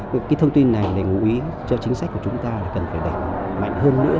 cái thông tin này để ngụy cho chính sách của chúng ta là cần phải đẩy mạnh hơn nữa